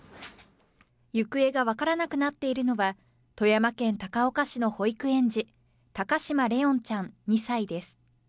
行方が分からなくなっているのは、富山県高岡市の保育園児、高嶋怜音ちゃん２歳です。